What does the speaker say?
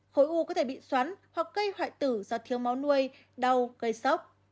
khối u có thể bị xoắn hoặc gây hoại tử do thiếu máu nuôi đau gây sốc